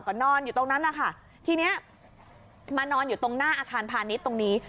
ก็นอนอยู่ตรงนั้นนะคะทีนี้มานอนอยู่ตรงหน้าอาคารพาณิชย์ตรงนี้